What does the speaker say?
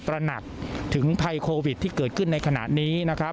ตระหนักถึงภัยโควิด๑๙ที่เกิดขึ้นในขณะนี้